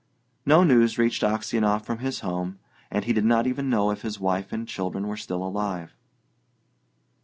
No news reached Aksionov from his home, and he did not even know if his wife and children were still alive.